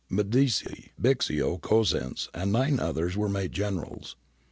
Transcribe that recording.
^ Medici, Bixio, Cosenz, and nine others were made Generals.